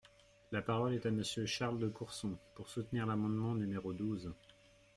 La parole est à Monsieur Charles de Courson, pour soutenir l’amendement numéro douze.